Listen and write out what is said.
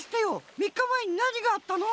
みっかまえになにがあったの？